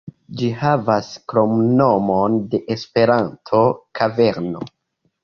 Ĝi havas kromnomon de Esperanto, "Kaverno".